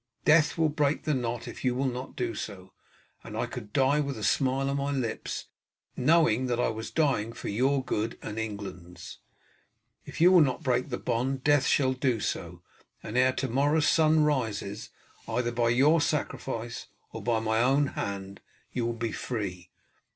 Death will break the knot if you will not do so, and I could die with a smile on my lips, knowing that I was dying for your good and England's. If you will not break the bond death shall do so, and ere to morrow's sun rises, either by your sacrifice or by my own hand, you will be free.